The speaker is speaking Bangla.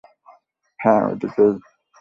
হ্যাঁ, ওদিকেই।